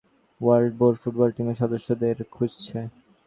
অনেক উদ্ধারকারীই এখন এই ওয়াইল্ড বোর ফুটবল টিমের সদস্যদের খুঁজছে।